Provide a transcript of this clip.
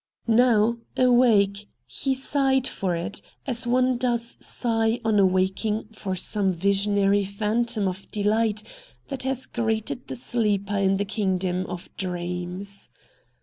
Now, awake, he sighed for it, as one does sigh on awaking for some visionary phantom of delight that has greeted the sleeper in the kingdom of dreams.